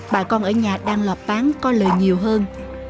bà con ở nhà đang lọt bán có lợi nhiều hơn